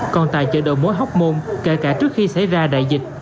còn tại chợ đầu mối hóc môn kể cả trước khi xảy ra đại dịch